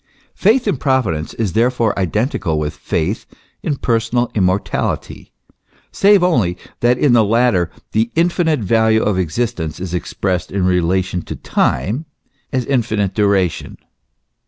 Faith in Providence is therefore identical with faith in personal immortality ; save only, that in the latter the infinite value of existence is expressed in relation to time, as infinite duration.